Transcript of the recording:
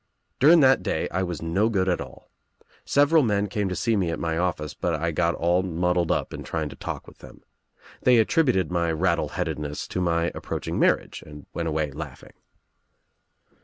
"During that day I was no good at all. Several men came to see me at my office, but I got all muddled up in trying to talk with them. They attributed my rattle headedness to my approaching marriage and went away laughing.